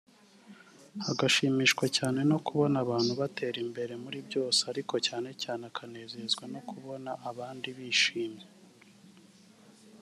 agashimishwa cyane no kubona abantu batera imbere muri byose ariko cyane cyane akanezerezwa no kubona abandi bishimye